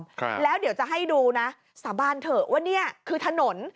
ครับแล้วเดี๋ยวจะให้ดูนะสาบานเถอะว่าเนี้ยคือถนน